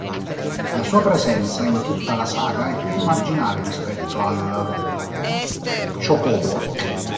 La sua presenza, in tutta la saga, è più marginale rispetto al chocobo.